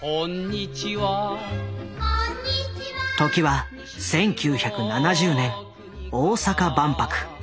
時は１９７０年大阪万博。